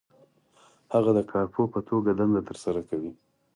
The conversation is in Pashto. هغه د کارپوه په توګه دنده ترسره کوي.